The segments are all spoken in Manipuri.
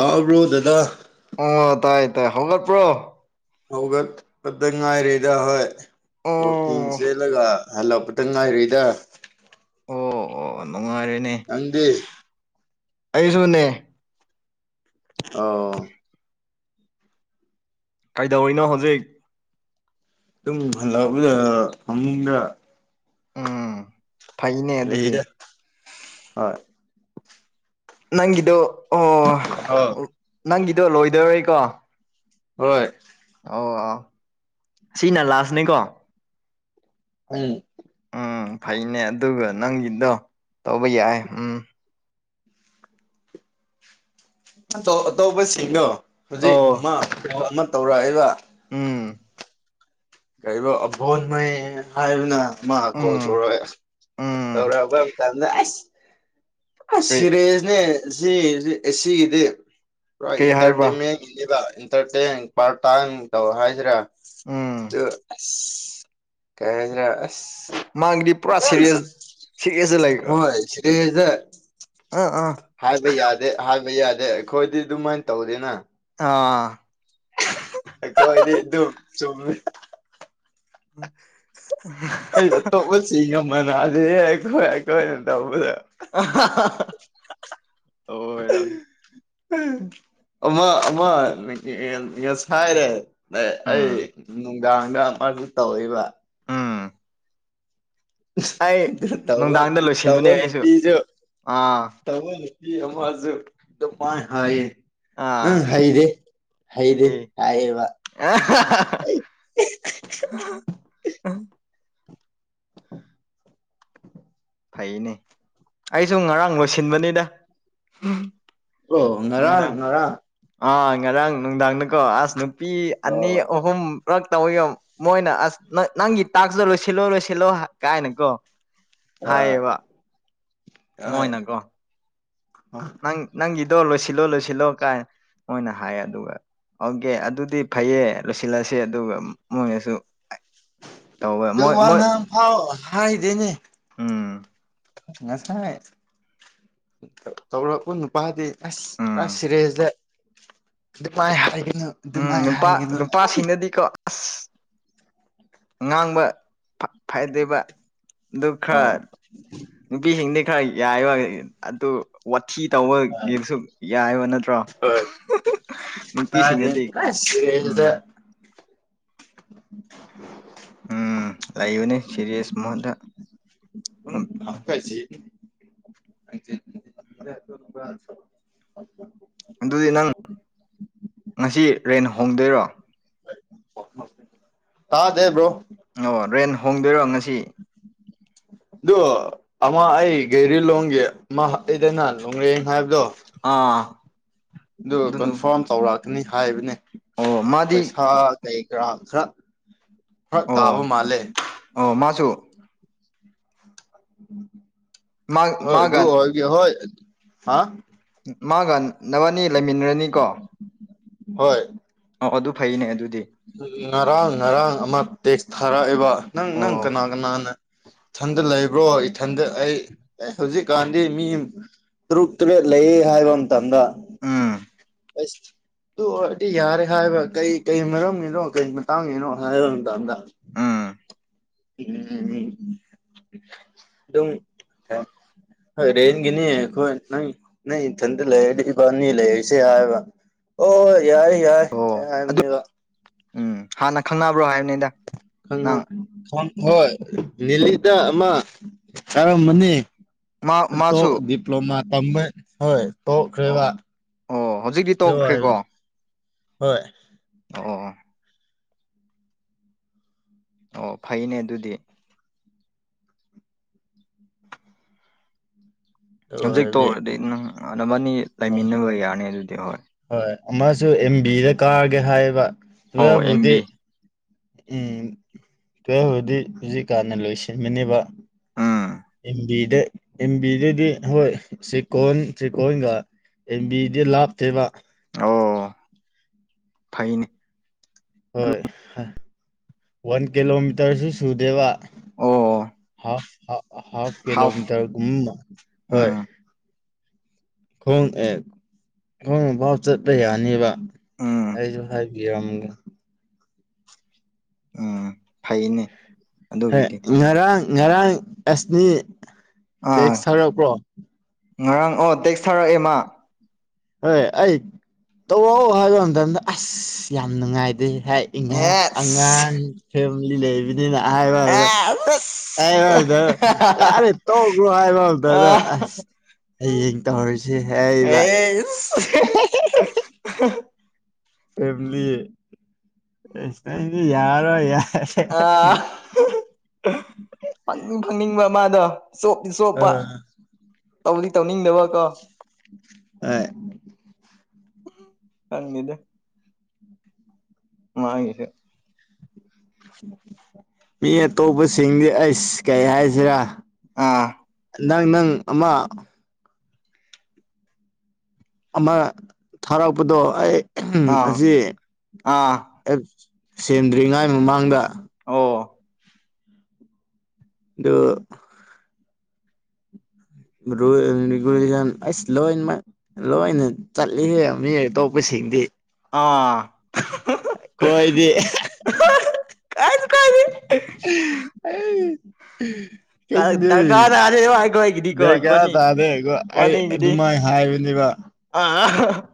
ꯇꯥꯕ꯭ꯔꯣ ꯗꯗꯥ ꯑꯣ ꯇꯥꯏ ꯇꯥꯏ ꯍꯒꯠꯄ꯭ꯔꯣ ꯍꯧꯒꯠꯄꯛꯇ ꯉꯥꯏꯔꯦꯗ ꯍꯣꯏ ꯋꯀꯤꯡ ꯑꯣ ꯆꯦꯜꯂꯒ ꯍꯜꯂꯄꯇ ꯉꯥꯏꯔꯨꯏꯗ ꯑꯣ ꯑꯣ ꯅꯨꯡꯉꯥꯏꯔꯦꯅꯦ ꯅꯪꯗꯦ ꯑꯩꯁꯨꯅꯦ ꯑꯣ ꯀꯩꯗꯧꯔꯤꯅꯣ ꯍꯧꯖꯤꯛ ꯑꯗꯨꯝ [unintelligible] ꯐꯃꯨꯡꯗ ꯎꯝ ꯐꯩꯅꯦ ꯑꯗꯨꯗꯤ ꯂꯩꯗ ꯍꯣꯏ ꯅꯪꯒꯤꯗꯣ ꯑꯣ ꯑ ꯅꯪꯒꯤꯗꯣ ꯂꯣꯏꯗꯔꯣꯏꯀꯣ ꯍꯣꯏ ꯑꯣ ꯁꯤꯅ ꯂꯥꯁꯅꯦꯀꯣ [unintelligible] ꯎꯝ ꯐꯩꯅꯦ ꯑꯗꯨꯒ ꯅꯪꯒꯤꯗꯣ ꯇꯧꯕ ꯌꯥꯏ ꯎꯝ ꯑꯇꯣꯞꯄꯁꯤꯡꯗꯣ ꯍꯧꯖꯤꯛ ꯑꯃ ꯑꯣ ꯑꯃ ꯇꯧꯔꯛꯏꯕ ꯎꯝ ꯀꯔꯤꯕ ꯑꯕꯣꯟ ꯍꯥꯏꯕꯅ ꯃꯥ ꯀꯣ ꯎꯝ ꯊꯔꯣ ꯎꯝ [unintelligible] ꯑ ꯀꯔꯤ ꯁꯤꯔꯦꯖꯅꯦ ꯁꯤ ꯁꯤꯗꯤ ꯄꯨꯔꯥ ꯀꯔꯤ ꯍꯥꯏꯕ꯭ꯔꯥ ꯏꯟꯇꯔꯇꯦꯟꯃꯦꯟꯅꯦꯕ ꯏꯟꯇꯔꯇꯦꯟ ꯄꯥꯔꯇꯥꯡ ꯇꯧ ꯍꯥꯏꯁꯤꯔꯦ ꯎꯝ ꯑꯗꯨ [unintelligible] ꯃꯥꯒꯤꯗꯤ ꯄꯨꯔꯥ ꯐꯖꯅ ꯁꯦꯔꯤꯌꯁ ꯁꯦꯔꯤꯌꯁꯇ ꯂꯩ [unintelligible] ꯑꯥ ꯑꯥ ꯍꯥꯏꯕ ꯌꯥꯗꯦ ꯍꯥꯏꯕ ꯌꯥꯗꯦ ꯑꯩꯈꯣꯏꯗꯤ ꯑꯗꯨꯃꯥꯏꯅ ꯇꯧꯗꯦꯅ ꯑꯥ ꯑꯀꯣꯏꯗꯤ ꯑꯗꯨ ꯆꯨꯝꯃꯦ [unintelligible] [unintelligible] [unintelligible] [inaudible] ꯑꯣꯏꯔꯝꯅꯤ ꯑꯃ ꯑꯃ [unintelligible] ꯑꯦ ꯎꯝ ꯑꯩ ꯅꯨꯡꯗꯥꯡꯗ ꯑꯃꯁꯨ ꯇꯧꯕ [unintelligible] [unintelligible] ꯑꯩ ꯅꯨꯡꯗꯥꯡꯗ ꯂꯣꯏꯁꯤꯟꯕꯅꯦ ꯑꯩꯁꯨ ꯑꯥ [unintelligible] ꯅꯪ ꯑꯥ ꯍꯩꯗꯦ ꯍꯩꯗꯦ ꯑꯦ ꯍꯥꯏꯌꯦꯕ ꯑꯩ [unintelligible] ꯐꯩꯌꯦꯅꯦ ꯑꯩꯁꯨ ꯉꯔꯥꯡ ꯂꯣꯏꯁꯤꯟꯕꯅꯤꯗ ꯑꯣ ꯉꯔꯥꯡ ꯅꯨꯡꯗꯥꯡ ꯉꯔꯥꯡ ꯑꯥ ꯉꯔꯥꯡ ꯅꯨꯡꯗꯥꯡꯗꯀꯣ ꯑꯁ ꯅꯨꯄꯤ ꯑꯅꯤ ꯑꯣ ꯑꯍꯨꯝ ꯄꯨꯛ ꯇꯧꯋꯤ ꯃꯣꯏꯅ ꯑꯁ ꯅꯪꯒꯤ ꯇꯥꯛꯁꯨ ꯂꯣꯏꯁꯤꯜꯂꯣ ꯂꯣꯏꯁꯤꯜꯂꯣ ꯀꯥꯏꯅꯀꯣ ꯑꯥ ꯍꯥꯏꯕ ꯍꯣꯏ ꯅꯪ ꯅꯪꯒꯤꯗꯣ ꯂꯣꯏꯁꯤꯜꯂꯣ ꯂꯣꯏꯁꯤꯜꯂꯣ ꯀꯥꯏꯅ ꯃꯣꯏꯅ ꯍꯥꯏꯌꯦ ꯑꯗꯨꯒ ꯑꯣꯀꯦ ꯑꯗꯨꯗꯤ ꯐꯩꯌꯦ ꯂꯣꯏꯁꯤꯜꯂꯁ ꯑꯗꯨꯒ ꯃꯣꯏꯅꯁꯨ ꯇꯧꯋꯦ ꯑꯗꯨ ꯃꯣꯏ ꯋꯥ ꯃꯣꯏ ꯉꯥꯡꯐꯥꯎ ꯍꯥꯏꯗꯦꯅꯦ ꯎꯝ [unintelligible] ꯇꯧꯔꯛꯄ ꯅꯨꯄꯥꯗꯤ ꯑꯁ ꯄꯨꯔꯥ ꯎꯝ ꯁꯤꯔꯦꯖꯗ ꯑꯗꯨ ꯃꯥꯏ [unintelligible] ꯎꯝ ꯅꯨꯄꯥ ꯅꯨꯄꯥꯁꯤꯡꯅꯗꯤꯀꯣ ꯑꯁ ꯉꯥꯡꯕ ꯐꯗ꯭ꯕ ꯑꯗꯨ ꯑꯣ ꯈꯔ ꯅꯨꯄꯤꯁꯤꯡꯗꯤ ꯈꯔ ꯌꯥꯏ ꯋꯥ ꯑꯗꯨ ꯋꯥꯊꯤ ꯇꯧꯕꯒꯤꯁꯨ ꯌꯥꯏꯕ ꯅꯠꯇ꯭ꯔꯣ ꯍꯣꯏ ꯇꯥꯗꯦ ꯅꯨꯄꯤꯁꯤꯡꯅꯗꯤ ꯄꯨꯔꯥ ꯎꯝ ꯁꯤꯔꯦꯁꯗ [inaudible] ꯎꯝ ꯂꯩꯕꯅꯤ ꯁꯦꯔꯤꯁ ꯃꯍꯨꯠꯇ [unintelligible] [unintelligible] ꯑꯗꯨꯗꯤ ꯅꯪ ꯉꯁꯤ ꯔꯦꯟ ꯍꯣꯡꯗꯣꯏꯔꯣ ꯇꯥꯗꯦ ꯕ꯭ꯔꯣ ꯑꯣ ꯔꯦꯟ ꯍꯣꯡꯗꯣꯏꯔꯣ ꯉꯁꯤ ꯑꯗꯨ ꯑꯃ ꯑꯩ ꯒꯦꯔꯤ ꯂꯣꯡꯒꯤ ꯑꯩꯗꯅ ꯂꯣꯡꯂꯦꯡ ꯍꯥꯏꯕꯗꯣ ꯑꯥ ꯑꯗꯨ ꯑꯗꯨꯅꯨ ꯀꯟꯐꯥꯔꯝ ꯇꯧꯔꯛꯀꯅꯤ ꯍꯥꯏꯕꯅꯦ ꯑꯣ ꯃꯥꯗꯤ ꯄꯩꯁꯥ ꯀꯩ ꯀꯔꯥ ꯈꯔ ꯑꯣ ꯐꯔꯛꯇꯥꯕ ꯃꯥꯜꯂꯦ ꯑꯣ ꯃꯥꯁꯨ ꯍꯣꯏ ꯑꯗꯨ ꯃꯥꯒ ꯑꯣꯏꯒ ꯍꯣꯏ ꯍꯥ ꯃꯥꯒ ꯅꯕꯅꯤ ꯂꯩꯃꯤꯟꯅꯔꯅꯤ ꯀꯣ ꯍꯣꯏ ꯑꯣ ꯑꯗꯨ ꯐꯩꯅꯦ ꯑꯗꯨꯗꯤ꯫ ꯉꯔꯥꯡ ꯉꯔꯥꯡ ꯑꯃ ꯇꯦꯛꯁ ꯊꯥꯔꯛꯑꯦꯕ ꯅꯪ ꯅꯪ ꯀꯅꯥ ꯑꯣ ꯀꯅꯥꯅ꯫ ꯏꯊꯟꯗ ꯂꯩꯕ꯭ꯔꯣ ꯏꯊꯟꯗ ꯑꯩ ꯑꯦ ꯍꯧꯖꯤꯛꯀꯥꯟꯗꯤ ꯃꯤ꯫ ꯇꯔꯨꯛ ꯇꯔꯦꯠ ꯂꯩ ꯍꯥꯏꯕ ꯃꯇꯝꯗ꯫ ꯎꯝ꯫ ꯑꯩꯁ ꯇꯨ ꯑꯣꯏꯔꯗꯤ ꯌꯥꯔꯦ ꯍꯥꯏꯕ ꯀꯩ ꯀꯩ ꯃꯔꯝ꯫ ꯀꯩꯒꯤꯅꯣ ꯀꯩ ꯃꯇꯥꯡꯒꯤꯅꯣ ꯍꯥꯏꯕ ꯃꯇꯝꯗ꯫ ꯎꯝ ꯎꯝ ꯎꯝ ꯑꯗꯨꯝ ꯍꯣꯏ ꯔꯦꯟꯒꯤꯅꯤ ꯈꯣꯏ ꯅꯪ ꯊꯟꯗ ꯂꯩꯔꯗꯤ ꯏꯕꯅꯤ ꯂꯩꯁꯦ ꯍꯥꯏꯕ ꯑꯣ ꯌꯥꯏ ꯌꯥꯏ ꯑꯣ ꯍꯥꯏꯕꯅꯦꯕ ꯎꯝ ꯍꯥꯟꯅ ꯈꯪꯅꯕ꯭ꯔꯣ ꯍꯥꯏ ꯈꯪꯅ ꯐꯣꯟ ꯍꯣꯏ ꯅꯤꯂꯤꯗ ꯑꯃ ꯀꯔꯝꯕꯅꯤ ꯃꯥ ꯇꯣ ꯃꯥꯁꯨ ꯗꯤꯄ꯭ꯂꯣꯃ ꯇꯝꯃꯦ ꯍꯣꯏ ꯇꯣꯛꯈ꯭ꯔꯦꯕ ꯑꯣ ꯑꯣ ꯍꯧꯖꯤꯛꯇꯤ ꯑꯗꯨ ꯑꯣꯏ ꯇꯣꯛꯈ꯭ꯔꯦꯀꯣ꯫ ꯍꯣꯏ꯫ ꯑꯣ꯫ ꯑꯣ ꯐꯩꯅꯦ ꯑꯗꯨꯗꯤ꯫ ꯑꯗꯨ ꯍꯧꯖꯤꯛ ꯑꯣꯏꯔꯗꯤ ꯇꯣꯛꯔꯗꯤ ꯅꯪ ꯅꯕꯥꯅꯤ ꯍꯣꯏ ꯂꯩꯃꯤꯟꯅꯕ ꯌꯥꯔꯅꯤ ꯑꯗꯨꯗꯤ ꯍꯣꯏ꯫ ꯍꯣꯏ ꯑꯃꯖꯨ ꯑꯦꯝ ꯕꯤꯗ ꯀꯥꯔꯒꯦ ꯍꯥꯏꯌꯦꯕ ꯑꯣ ꯑꯦꯝ ꯕꯤ [unintelligible] ꯎꯝ ꯇꯨꯌꯦꯜꯐꯕꯨꯗꯤ ꯍꯧꯖꯤꯛꯀꯥꯟꯅ ꯂꯣꯏꯁꯤꯟꯕꯅꯦꯕ꯫ ꯎꯝ꯫ ꯑꯦꯝꯕꯤꯗ ꯑꯦꯝꯕꯤꯗꯗꯤ ꯍꯣꯏ ꯆꯦꯀꯣꯟ ꯆꯦꯀꯣꯟꯒ꯫ ꯑꯦꯝ ꯕꯤꯗꯤ ꯂꯥꯞꯇꯦꯕ꯫ ꯑꯣ ꯐꯩꯅꯦ꯫ ꯍꯣꯏ ꯋꯥꯟ ꯀꯤꯂꯣꯃꯤꯇꯔꯁꯤ ꯁꯨꯗꯦꯕ꯫ ꯑꯣ ꯑꯣ꯫ ꯑꯁ ꯍꯥ ꯍꯥꯐ ꯀꯤꯂꯣꯃꯤꯇꯔ ꯒꯨꯝꯕꯅ ꯍꯣꯏ꯫ ꯎꯝ ꯈꯣꯡ ꯑꯦ ꯈꯣꯡꯅ ꯐꯥꯎ ꯆꯠꯄ ꯌꯥꯅꯤꯕ ꯎꯝ ꯑꯩꯁꯨ ꯍꯥꯏ꯫ [unintelligible] ꯎꯝ ꯐꯩꯅꯦ꯫ ꯍꯣꯏ ꯑꯗꯨꯒꯤꯗꯤ ꯉꯔꯥꯡ ꯉꯔꯥꯡ ꯑꯦꯁꯅꯤ ꯑꯥ ꯇꯦꯛꯁ ꯊꯔꯛꯄ꯭ꯔꯣ꯫ ꯉꯔꯥꯡ ꯑꯣ ꯇꯦꯛꯁ ꯊꯥꯔꯛꯑꯦ ꯃꯥ꯫ ꯍꯣꯏ ꯑꯩ ꯇꯧꯔꯛꯑꯣ ꯍꯥꯏꯕ ꯃꯇꯝꯗ ꯑꯁ ꯌꯥꯝ ꯅꯨꯡꯉꯥꯏꯗꯦ ꯍꯥꯏ꯫ [unintelligible] ꯑꯦꯁ ꯑꯉꯥꯡ ꯐꯦꯃꯤꯂꯤ ꯂꯩꯕꯅꯤꯅ ꯍꯥꯏꯕꯒ ꯇꯠ꯫ ꯑꯦꯁ [unintelligible] ꯌꯥꯔꯦ ꯇꯧꯛꯔꯣ ꯍꯥꯏꯕ ꯃꯇꯝꯗ ꯑꯁ꯫ ꯍꯌꯦꯡ ꯇꯧꯔꯁꯤ ꯍꯥꯏꯕ꯫ [unintelligible] ꯐꯦꯝꯂꯤ ꯑꯁ ꯅꯪꯗꯤ ꯌꯥꯔꯣꯏ ꯌꯥ ꯑꯥ ꯐꯪꯅꯤꯡ ꯐꯪꯅꯤꯡꯕ ꯃꯥꯗꯣ꯫ ꯆꯣꯞꯇꯤ ꯑ ꯆꯣꯞꯄ ꯇꯧꯗꯤ ꯇꯧꯅꯤꯡꯗꯕꯀꯣ꯫ ꯑꯣꯢ ꯈꯪꯗꯦꯗ꯫ [unintelligible] ꯃꯤ ꯑꯇꯣꯞꯄꯁꯤꯡꯗꯤ ꯑꯩꯁ ꯀꯩ ꯍꯥꯏꯁꯤꯔꯥ꯫ ꯑꯥ꯫ ꯅꯪ ꯅꯪ ꯑꯃ꯫ ꯑꯃ ꯊꯥꯔꯛꯄꯗꯣ ꯑꯩ ꯑꯥ ꯑꯁꯤ ꯑꯥ ꯑꯦꯞ ꯁꯦꯟꯗ꯭ꯔꯤꯉꯩ ꯃꯃꯥꯡꯗ ꯑꯣ ꯗꯨ [unintelligible] ꯑꯁ ꯂꯣꯏꯅꯃꯛ ꯂꯣꯏꯅ ꯆꯠꯂꯤꯍꯦ ꯃꯤ ꯑꯇꯣꯞꯄꯁꯤꯡꯗꯤ ꯑꯥ ꯈꯣꯏꯗꯤ ꯀꯥꯏꯁꯨ ꯑꯩ ꯀꯥꯏꯗꯦ ꯈꯪꯗꯦ ꯗꯔꯀꯥꯔ ꯇꯥꯗꯦꯕ ꯑꯩꯈꯣꯏꯒꯤꯗꯤꯀꯣ ꯏꯕꯥꯅꯤ ꯗꯔꯀꯥꯔ ꯇꯥꯗꯦꯕ ꯑꯩ ꯏꯕꯥꯅꯤꯒꯤꯗꯤ ꯑꯗꯨꯃꯥꯏꯅ ꯍꯥꯏꯕꯅꯦꯕ [unintelligible]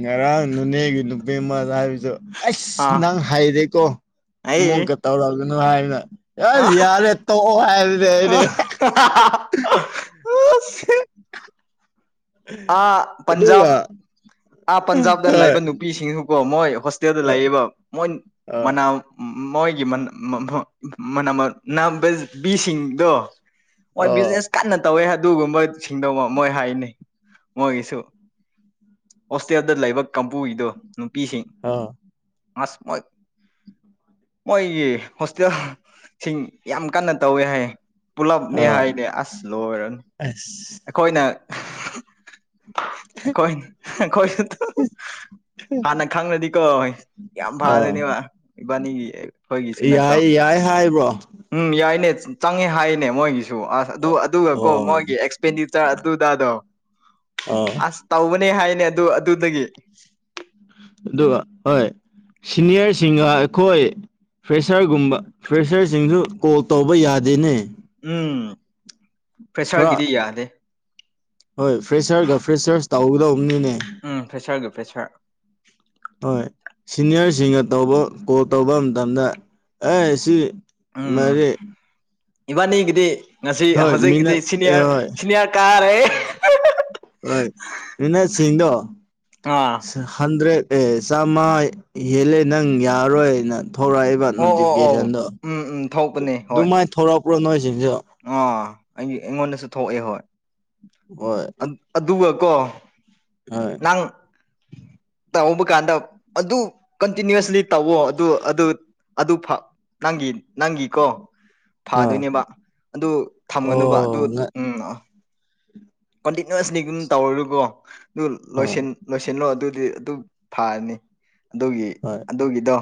ꯉꯔꯥꯡ ꯅꯨꯅꯦꯒꯤ ꯅꯨꯄꯤꯃꯗ ꯍꯥꯏꯕꯁꯨ꯫ ꯑꯩꯁ ꯑꯥ ꯅꯪ ꯍꯥꯏꯔꯦꯀꯣ ꯑꯃꯨꯛꯀ ꯑꯩ ꯇꯧꯔꯒꯅꯨ ꯍꯥꯏꯅ꯫ ꯑꯥ ꯑꯦꯁ ꯌꯥꯔꯦ ꯇꯣꯛꯑꯣ ꯍꯥꯏꯕꯅꯦ ꯑꯩꯗꯤ꯫ ꯍ ꯍꯥ ꯍꯥ꯫ [unintelligible] ꯑꯥ ꯑꯗꯨꯒ ꯄꯟꯖꯥꯕ ꯑꯥ ꯄꯟꯖꯥꯕꯇ ꯍꯣꯏ ꯂꯩꯕ ꯅꯨꯄꯤꯁꯤꯡꯁꯨ꯫ ꯃꯣꯏ ꯍꯣꯁꯇꯦꯜꯗ ꯂꯩꯌꯦꯕ ꯃꯣꯏ ꯑꯥ ꯃꯅꯥꯎ ꯃꯣꯏꯒꯤ [unintelligible] ꯃꯅꯃ ꯃꯅꯕꯤꯁꯤꯡꯗꯣ ꯃꯣꯢ ꯑꯥ ꯕꯤꯖꯤꯅꯦꯁ꯫ ꯀꯟꯅ ꯇꯧꯋꯦ ꯑꯗꯨꯒꯨꯝꯕ ꯁꯤꯡꯗꯧꯕ ꯃꯣꯏ ꯍꯥꯏꯅꯦ꯫ ꯃꯣꯏꯒꯤꯁꯨ ꯍꯣꯁꯇꯦꯜꯗ ꯂꯩꯕ ꯀꯥꯡꯕꯨꯒꯤꯗꯣ ꯅꯨꯄꯤꯁꯤꯡ ꯑꯥ ꯑꯁ ꯃꯣꯏ ꯃꯣꯏꯒꯤ ꯍꯣꯁꯇꯦꯜ ꯁꯤꯡ ꯌꯥꯝ ꯀꯟꯅ ꯇꯧꯋꯦ ꯍꯥꯏ ꯄꯨꯜꯂꯞꯅꯦ ꯑꯥ ꯍꯥꯏꯅꯦ ꯑꯁ ꯂꯣꯏꯔꯅꯤ ꯑꯁ ꯑꯩꯈꯣꯏꯅ ꯑꯩꯈꯣꯏ ꯑꯩꯈꯣꯏꯅ ꯇꯨ ꯍꯥꯟꯅ ꯈꯪꯔꯗꯤ ꯀꯣꯢ ꯌꯥꯝ ꯑꯥ ꯐꯥꯗꯣꯏꯅꯦꯕ ꯏꯕꯥꯅꯤꯒꯤ ꯑꯩꯈꯣꯏꯒꯤꯁꯨ ꯅꯠꯇ꯭ꯔꯣ ꯌꯥꯏ ꯌꯥꯏ ꯍꯥꯏꯕ꯭ꯔꯣ ꯎꯝ ꯌꯥꯏꯅꯦ ꯆꯪꯉꯦ ꯍꯥꯏꯅꯦ ꯃꯣꯏꯒꯤꯁꯨ ꯑꯁ ꯑꯗꯨ ꯑꯗꯨꯒ ꯀꯣ ꯑꯣ ꯃꯣꯏꯒꯤ ꯑꯦꯛꯁ ꯄꯦꯟꯗꯤꯆꯔ ꯑꯗꯨ ꯑꯗꯥꯗꯣ ꯑꯣ ꯑꯁ ꯇꯧꯕꯅꯦ ꯍꯥꯏꯅꯦ ꯑꯗꯨ ꯑꯗꯨꯗꯒꯤ ꯑꯗꯨꯒ ꯍꯣꯏ ꯁꯤꯅꯤꯌꯔꯁꯤꯡꯒ ꯑꯩꯈꯣꯏ ꯐ꯭ꯔꯦꯁꯔꯒꯨꯝꯕ ꯐ꯭ꯔꯦꯁꯔꯁꯤꯡꯁꯨ ꯀꯣꯜ ꯇꯧꯕ ꯌꯥꯗꯦꯅꯦ ꯎꯝ ꯈꯔ ꯐ꯭ꯔꯦꯁꯔꯒꯤꯗꯤ ꯌꯥꯗꯦ ꯍꯣꯏ ꯐ꯭ꯔꯦꯁꯔꯒ ꯐ꯭ꯔꯦꯁꯔꯁ ꯇꯧꯒꯗꯧꯕꯅꯤꯅꯦ ꯎꯝ ꯐ꯭ꯔꯦꯁꯔꯒꯦ ꯐ꯭ꯔꯦꯁꯔ ꯍꯣꯏ ꯁꯤꯅꯤꯌꯔꯁꯤꯡꯅ ꯇꯧꯕ ꯀꯣꯜ ꯇꯧꯕ ꯃꯇꯝꯗ ꯑꯦ ꯁꯤ ꯎꯝ ꯃꯥꯔꯤ ꯏꯕꯥꯅꯤꯒꯤꯗꯤ ꯉꯁꯤ ꯍꯣꯏ ꯍꯧꯖꯤꯛꯀꯤꯗꯤ ꯃꯤꯅꯠ ꯑꯦ ꯁꯤꯅꯤꯌꯔ ꯍꯣꯏ ꯁꯤꯅꯤꯌꯔ ꯀꯥꯔꯦ ꯍꯣꯏ ꯅꯣꯢꯅ ꯆꯤꯡꯗꯣ ꯉꯥ ꯍꯟꯗ꯭ꯔꯦꯗ ꯑꯦ ꯆꯥꯝꯃ ꯍꯦꯜꯂꯦ ꯅꯪ ꯌꯥꯔꯔꯣꯏꯅ ꯊꯣꯔꯛꯏꯕ ꯑꯣ ꯑꯣ ꯑꯣ ꯅꯣꯇꯤꯐꯤꯀꯦꯁꯟꯗꯣ ꯎꯝ ꯎꯝ ꯊꯣꯛꯄꯅꯦ ꯍꯣꯏ ꯑꯗꯨꯃꯥꯏꯅ ꯊꯔꯛꯄ꯭ꯔꯣ ꯅꯣꯏꯁꯤꯡꯁꯨ ꯑꯥ ꯑꯩꯒꯤ ꯑꯩꯉꯣꯟꯗꯁꯨ ꯊꯣꯛꯑꯦ ꯍꯣꯏ ꯍꯣꯏ ꯑꯗꯨꯒ ꯀꯣ ꯍꯣꯏ [unintelligible] ꯇꯧꯕ ꯀꯥꯟꯗ ꯑꯗꯨ ꯀꯟꯇꯤꯅ꯭ꯨꯋꯁꯂꯤ ꯇꯧꯋꯣ ꯑꯗꯨ ꯑꯗꯨ ꯑꯗꯨ ꯐꯥ ꯅꯪꯒꯤ ꯅꯪꯒꯤ ꯀꯣ ꯑꯥ ꯐꯥꯗꯣꯏꯅꯦꯕ ꯑꯗꯨ ꯊꯝꯒꯅꯨꯕ ꯑꯗꯨ ꯑꯣ ꯎꯝ ꯑ ꯀꯟꯇꯤꯅꯨꯋꯁꯂꯤ ꯑꯗꯨꯝ ꯇꯧꯔꯒꯀꯣ ꯑꯗꯨ ꯍꯣꯏ ꯂꯣꯏꯁꯤꯟ ꯂꯣꯏꯁꯤꯜꯂꯣ ꯑꯗꯨꯗꯤ ꯑꯗꯨꯝ ꯐꯥꯔꯅꯤ ꯑꯗꯨꯒꯤ ꯍꯣꯏ ꯑꯗꯨꯒꯤꯗꯣ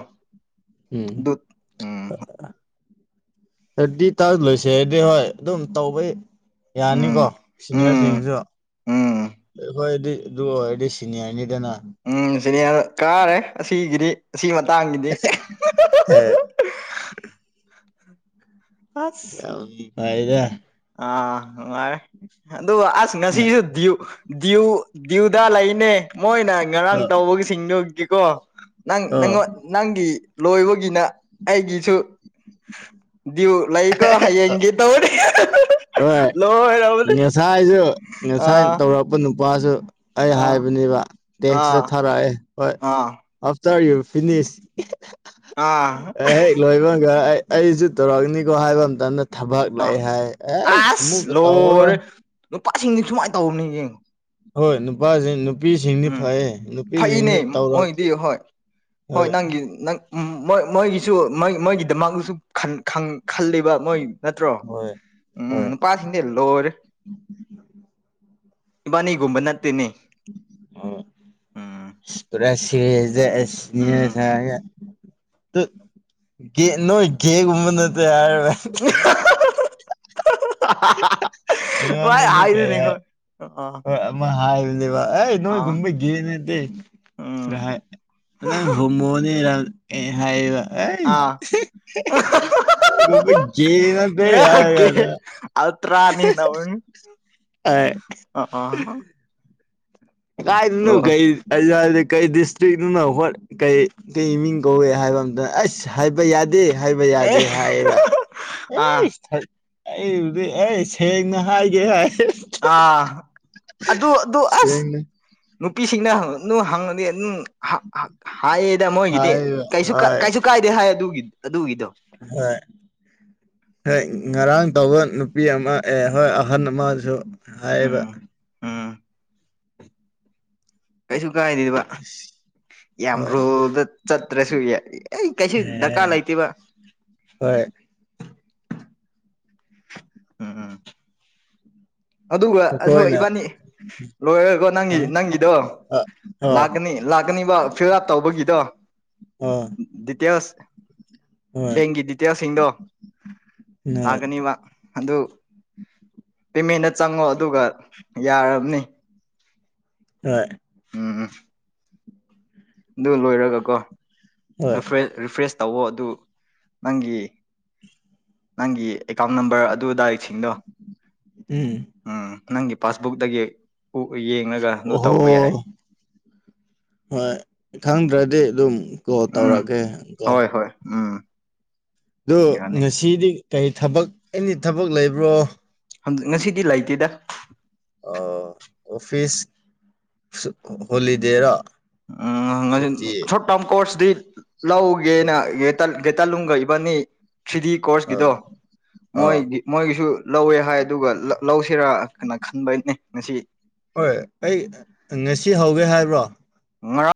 ꯎꯝ ꯑꯗꯨ ꯎꯝ ꯊꯥꯔꯗꯤ ꯇꯥ ꯂꯣꯏꯁꯦꯔꯗꯤ ꯍꯣꯏ ꯑꯗꯨꯝ ꯇꯧꯕꯩ ꯎꯝ ꯌꯥꯔꯅꯤꯀꯣ ꯎꯝ ꯁꯤꯅꯤꯌꯥꯔꯁꯤꯡꯁꯨ ꯎꯝ ꯍꯣꯏꯑꯗꯤ ꯑꯗꯨ ꯑꯣꯏꯔꯗꯤ ꯁꯤꯅꯤꯌꯥꯔꯅꯤꯗꯅ ꯎꯝ ꯁꯤꯅꯦꯌꯥꯔ ꯀꯥꯔꯦ ꯑꯁꯤꯒꯤꯗꯤ ꯑꯁꯤ ꯃꯇꯥꯡꯒꯤꯗꯤ ꯑꯦ ꯄꯥ [unintelligible] ꯑꯥ ꯅꯨꯡꯉꯥꯏꯔꯦ ꯑꯗꯨꯒ ꯑꯁ ꯍꯣꯏ ꯉꯁꯤꯁꯨ ꯗꯤꯌꯨ ꯗꯤꯌꯨꯎ ꯗꯤꯌꯨꯗꯥ ꯂꯩꯅꯦ ꯃꯣꯏꯅ ꯉꯔꯥꯡ ꯑꯣ ꯇꯧꯕꯒꯤꯁꯤꯡꯗꯨꯒꯤꯀꯣ ꯅꯪ ꯑꯣ ꯅꯉꯣꯟ ꯅꯪꯒꯤ ꯂꯣꯏꯕꯒꯤꯅ ꯑꯩꯒꯤꯁꯨ ꯗꯤꯌꯨ ꯂꯩꯀꯣ ꯍꯌꯦꯡꯒꯤ ꯇꯧꯅꯤ ꯍꯣꯏ ꯉꯁꯥꯏꯁꯨ ꯉꯁꯥꯏ ꯑꯥ ꯇꯧꯔꯛꯄ ꯅꯨꯄꯥꯁꯨ ꯑꯩ ꯑꯥ ꯍꯥꯏꯕꯅꯦꯕ ꯇꯦꯛꯁꯇꯥ ꯑꯥ ꯊꯥꯔꯛꯑꯦ ꯍꯣꯏ ꯑꯥ ꯑꯥꯐꯇꯔ ꯌꯨꯔ ꯐꯤꯅꯤꯁ ꯑꯥ ꯑꯦ ꯍꯦꯛ ꯂꯣꯏꯕꯒ ꯑꯩꯖꯨ ꯇꯧꯔꯛꯅꯤꯀꯣ ꯍꯥꯏꯕ ꯃꯇꯝꯗ ꯊꯕꯛ ꯂꯥꯑꯦ ꯑꯥ ꯍꯥꯏ ꯑꯩ ꯑꯁ ꯑꯃꯨꯛꯀ ꯇꯧꯔꯔꯣꯏ ꯂꯣꯏꯔꯦ ꯅꯨꯄꯥꯁꯤꯡꯗꯤ ꯁꯨꯃꯥꯏꯅ ꯇꯧꯕꯅꯤꯅꯦ ꯍꯣꯏ ꯅꯨꯄꯥꯖꯤꯡ ꯅꯨ ꯅꯨꯄꯤꯁꯤꯡꯅ ꯎꯝ ꯐꯩꯌꯦ ꯅꯨꯄꯤꯁꯤꯡꯅ ꯐꯩꯅꯦ ꯇꯧꯔ ꯃꯣꯏꯗꯤ ꯍꯣꯏ ꯍꯣꯏ ꯅꯪ ꯃꯣꯏ ꯃꯣꯏꯒꯤꯁꯨ ꯃꯣꯏ ꯃꯣꯏꯒꯤꯗꯃꯛꯇꯁꯨ ꯈꯜꯂꯤꯕ ꯃꯣꯏ ꯅꯠꯇ꯭ꯔꯣ ꯍꯣꯏ ꯎꯝ ꯍꯣꯏ ꯅꯨꯄꯥ ꯂꯣꯏꯔꯦ ꯏꯕꯥꯅꯤꯒꯨꯝꯕ ꯅꯠꯇꯦꯅꯦ [unintelligible] ꯎꯝ ꯎꯝ ꯒꯦ ꯅꯣꯢ ꯒꯦꯒꯨꯝꯕ ꯅꯠꯇꯦ ꯍꯥꯏꯔꯒ ꯍꯣꯏ ꯏꯉꯣꯟꯗꯁꯨ ꯍꯥꯏꯗꯨꯅꯤ ꯀꯩꯍꯥꯏ ꯍꯣꯏ ꯑꯥ ꯍꯣꯏ ꯑꯃ ꯍꯥꯏꯕꯅꯦꯕ ꯅꯣꯏ ꯑꯥ ꯒꯨꯝꯕ ꯒꯦ ꯅꯠꯇꯦ ꯎꯝ ꯁꯍꯥꯏ ꯅꯪ ꯍꯣꯃꯣꯅꯤꯔꯝ ꯑꯦ ꯍꯥꯏꯕ ꯑꯦꯏ ꯑꯥ ꯅꯣꯏꯒꯨꯝꯕ ꯒꯦ ꯅꯠꯇꯦ ꯍꯥꯏꯒꯅ ꯑ ꯇꯥꯅꯤ ꯅ ꯎ ꯑ ꯑ ꯑ ꯀꯥꯏꯅ ꯀꯩ ꯑꯖꯗꯤ ꯀꯩ ꯗꯤꯁꯇ꯭ꯔꯤꯛꯅ ꯍꯣꯏ ꯀꯩ ꯀꯩ ꯃꯤꯡ ꯀꯧꯏ ꯍꯥꯏꯕ ꯑꯝꯇ ꯑꯁ ꯍꯥꯏꯕ ꯌꯥꯗꯦ ꯑꯗꯨ ꯍꯥꯏꯕ ꯑꯦ ꯌꯥꯗꯦ ꯍꯥꯏꯌꯦꯕ ꯑꯥ ꯑꯩꯕꯨꯗꯤ ꯑꯩꯁ ꯁꯦꯡꯅ ꯍꯥꯏꯒꯦ ꯍꯥꯏ ꯑ ꯑꯗꯨ ꯑꯗꯨ ꯑꯗꯨ ꯑꯁ [inaudible] ꯅꯨꯄꯤꯁꯤꯡꯅ ꯑꯗꯨ ꯍꯪꯉꯗꯤ ꯑꯗꯨꯝ ꯍꯥꯏꯌꯦꯗ ꯃꯣꯏꯒꯤꯗꯤ ꯍꯥꯏꯕ ꯀꯩꯁꯨ ꯍꯣꯏ ꯀꯩꯁꯨ ꯀꯥꯏꯗꯦ ꯍꯥꯏ ꯑꯗꯨꯒꯤꯗꯣ ꯍꯣꯏ ꯍꯣꯏ ꯉꯔꯥꯡ ꯇꯧꯕ ꯅꯨꯄꯤ ꯑꯃ ꯑꯦ ꯍꯣꯏ ꯑꯍꯜ ꯑꯃꯁꯨ ꯍꯥꯏꯌꯦꯕ ꯎꯝ ꯎꯝ ꯀꯩꯁꯨ ꯀꯥꯏꯗꯦꯕ ꯌꯥꯝ ꯍꯣꯏ ꯔꯣꯜꯗ ꯆꯠꯇ꯭ꯔꯁꯨ ꯌꯥ ꯑꯩ ꯀꯩꯁꯨ ꯑꯦ ꯗꯔꯀꯥꯔ ꯂꯩꯇꯦꯕ ꯍꯣꯏ ꯎꯝ ꯎꯝ ꯑꯗꯨꯒ ꯑ ꯑꯩꯈꯣꯏꯅ ꯏꯕꯥꯅꯤ ꯂꯣꯏꯔꯒꯀꯣ ꯅꯪꯒꯤ ꯑ ꯅꯪꯒꯤꯗꯣ ꯑ ꯑ ꯂꯥꯛꯀꯅꯤ ꯂꯥꯛꯀꯅꯤꯕ ꯐꯤꯜ ꯑꯞ ꯇꯧꯕꯒꯤꯗꯣ ꯑ ꯗꯤꯇꯦꯜꯁ ꯍꯣꯏ ꯅꯪꯒꯤ ꯗꯤꯇꯦꯜꯁꯤꯡꯗꯣ ꯍꯣꯏ ꯂꯥꯛꯀꯅꯤꯕ ꯑꯗꯨ ꯄꯦꯃꯦꯟꯗ ꯆꯪꯉꯣ ꯑꯗꯨꯒ ꯌꯥꯔꯕꯅꯤ ꯍꯣꯏ ꯎꯝ ꯎꯝ ꯑꯗꯨ ꯂꯣꯏꯔꯒꯀꯣ ꯍꯣꯏ ꯔꯤꯐ꯭ꯔꯦꯁ ꯇꯧꯋꯣ ꯑꯗꯨ ꯅꯪꯒꯤ ꯅꯪꯒꯤ ꯑꯦꯀꯥꯎꯟꯠ ꯅꯝꯕꯔ ꯑꯗꯨ ꯑꯗꯥꯁꯤꯡꯗꯣ ꯎꯝ ꯎꯝ ꯅꯪꯒꯤ ꯄꯥꯁꯕꯨꯛꯗꯒꯤ ꯎ ꯌꯦ ꯑꯣꯍꯣ ꯍꯣꯏ ꯈꯪꯗ꯭ꯔꯗꯤ ꯑꯗꯨꯝ ꯀꯣꯜ ꯎꯝ ꯇꯧꯔꯛꯀꯦ ꯀꯣ ꯍꯣꯏ ꯍꯣꯏ ꯎꯝ ꯑꯗꯨ ꯌꯥꯅꯤ ꯉꯁꯤꯗꯤ ꯀꯔꯤ ꯊꯕꯛ ꯑꯦꯅꯤ ꯊꯕꯛ ꯂꯩꯕ꯭ꯔꯣ ꯉꯁꯤꯗꯤ ꯂꯩꯇꯦꯗ ꯑꯣ ꯑꯣꯐꯤꯁ ꯍꯣꯂꯤꯗꯦꯔꯣ ꯎꯪ ꯉꯁꯤ ꯁꯨꯇꯤ ꯆꯞ ꯀꯣꯔꯁꯇ ꯂꯧꯒꯦꯅ ꯒꯦꯇꯜꯂꯨꯝꯒ ꯏꯕꯅꯤꯗꯤ ꯑ ꯀꯣꯔꯁꯀꯤꯗꯣ ꯑ ꯃꯣꯏꯗꯤ ꯃꯣꯏꯒꯤꯁꯨ ꯂꯧꯋꯦ ꯍꯥꯏ ꯑꯗꯨꯒ ꯂꯧꯁꯤꯔꯥ ꯅ ꯈꯟꯕꯅꯦ ꯉꯁꯤ ꯍꯣꯏ ꯑꯩ ꯉꯁꯤ ꯍꯧꯒꯦ ꯍꯥꯏꯕ꯭ꯔꯣ ꯉ